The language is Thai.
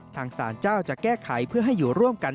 สารเจ้าจะแก้ไขเพื่อให้อยู่ร่วมกัน